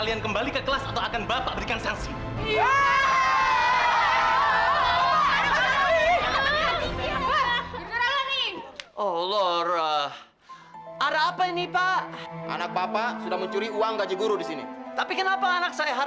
sampai jumpa di video selanjutnya